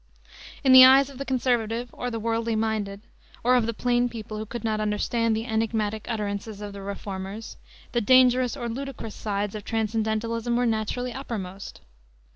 In the eyes of the conservative, or the worldly minded, or of the plain people who could not understand the enigmatic utterances of the reformers, the dangerous or ludicrous sides of transcendentalism were naturally uppermost.